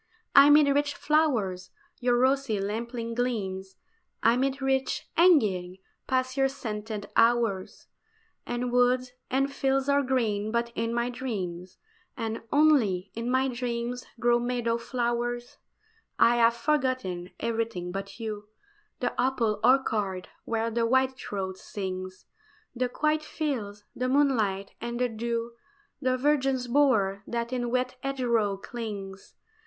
Amid rich flowers your rosy lamplight gleams, Amid rich hangings pass your scented hours, And woods and fields are green but in my dreams, And only in my dreams grow meadow flowers. I have forgotten everything but you The apple orchard where the whitethroat sings, The quiet fields, the moonlight, and the dew, The virgin's bower that in wet hedgerow clings.